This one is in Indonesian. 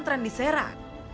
tren di serang